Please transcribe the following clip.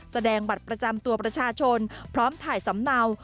แสดงบัตรประจำตัวประชาชนพร้อมถ่ายสำเนา